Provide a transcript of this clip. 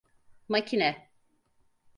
Makine…